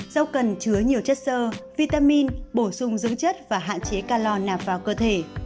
rau cần chứa nhiều chất sơ vitamin bổ sung dưỡng chất và hạn chế calor nạp vào cơ thể